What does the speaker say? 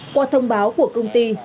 qua thông báo của công ty